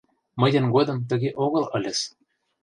Мыйын годым тыге огыл ыльыс.